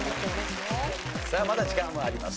さあまだ時間はあります。